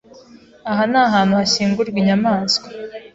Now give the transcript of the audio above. Aha ni ahantu hashyingurwa inyamaswa.